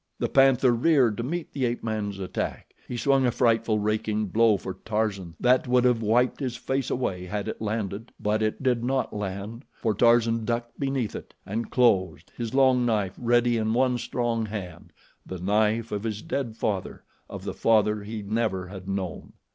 The panther reared to meet the ape man's attack. He swung a frightful raking blow for Tarzan that would have wiped his face away had it landed, but it did not land, for Tarzan ducked beneath it and closed, his long knife ready in one strong hand the knife of his dead father, of the father he never had known.